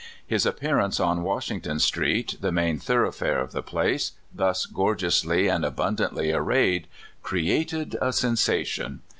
His appearance on Washington Street, the main thoroughfare of the place, thus gorgeously and abundantly arrayed, created a sensation.